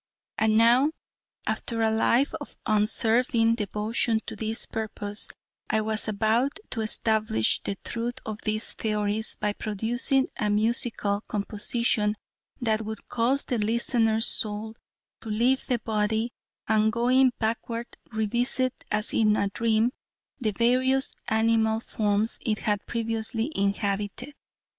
And now, after a life of unswerving devotion to this purpose, I was about to establish the truth of these theories by producing a musical composition that would cause the listener's soul to leave the body, and going backward, revisit, as in a dream, the various animal forms it had previously inhabited.